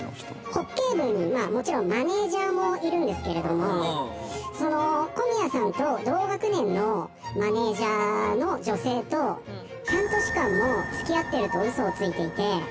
「ホッケー部にまあもちろんマネージャーもいるんですけれどもその小宮さんと同学年のマネージャーの女性と半年間も付き合ってるとウソをついていて」